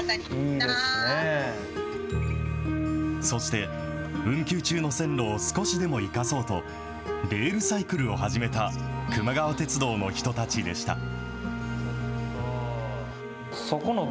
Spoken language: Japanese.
そして、運休中の線路を少しでも生かそうと、レールサイクルを始めた、くま川鉄道の人たちでした。